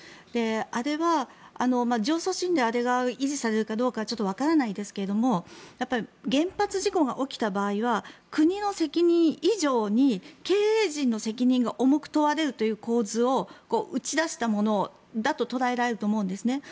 あれは上訴審であれが維持されるかどうかはわからないですが原発事故が起きた場合は国の責任以上に経営陣の責任が重く問われるという構図を打ち出したものだと捉えられると思うんですね。